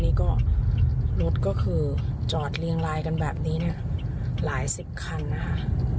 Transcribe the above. นี่ก็รถก็คือจอดเรียงลายกันแบบนี้เนี่ยหลายสิบคันนะคะ